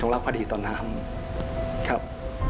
ต้องรับพอดีตอนนั้นครับ